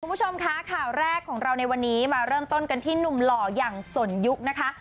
คุณผู้ชมคะข่าวแรกของเราในวันนี้มาเริ่มต้นกันที่หนุ่มหล่ออย่างสนยุคนะคะ